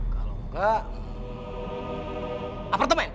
kalau enggak apartemen